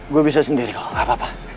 gue bisa sendiri kalau enggak papa